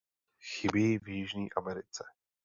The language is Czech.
Chybí v Jižní Americe.